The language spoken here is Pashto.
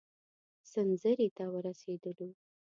سنځري ته ورسېدلو.